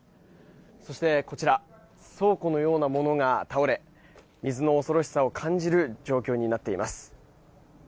そして、こちら倉庫のようなものが倒れ水の恐ろしさを感じる状況になっています。